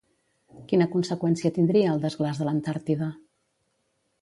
Quina conseqüència tindria el desglaç de l'Antàrtida?